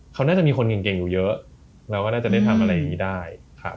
เขาน่าจะมีคนเก่งอยู่เยอะเราก็น่าจะได้ทำอะไรอย่างนี้ได้